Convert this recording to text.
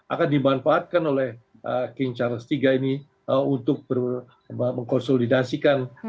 akan dimanfaatkan oleh king charles iii ini untuk mengkonsolidasikan